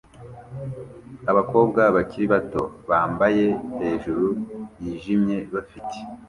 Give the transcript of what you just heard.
Abakobwa bakiri bato bambaye hejuru yijimye bafite